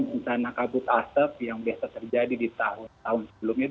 bencana kabut asap yang biasa terjadi di tahun tahun sebelumnya